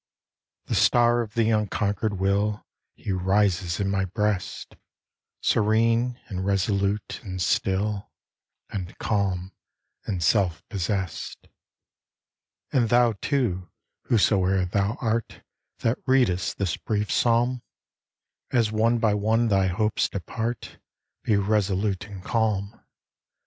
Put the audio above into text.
The star of the unconquered will, He rises in my breast, Serene, and resolute, and still, And calm, and self possessed. And thou, too, whosoe'er thou art, That readest this brief psalm, As one by one thy hopes depart, Be resolute and calm.